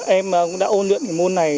em cũng đã ôn luyện môn này